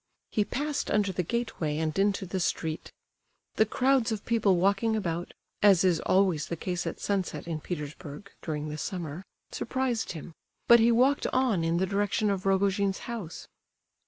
He passed under the gateway and into the street. The crowds of people walking about—as is always the case at sunset in Petersburg, during the summer—surprised him, but he walked on in the direction of Rogojin's house.